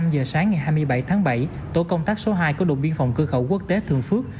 năm giờ sáng ngày hai mươi bảy tháng bảy tổ công tác số hai của đồn biên phòng cửa khẩu quốc tế thường phước